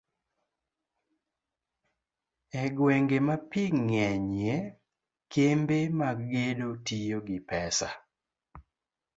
e gwenge ma pi ng'enyie, kembe mag gedo tiyo gi pesa